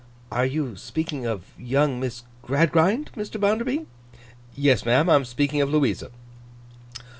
'Are you speaking of young Miss Gradgrind, Mr. Bounderby?' 'Yes, ma'am, I'm speaking of Louisa.